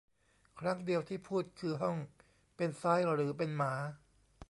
ครั้งเดียวที่พูดคือห้อง เป็นซ้ายหรือเป็นหมา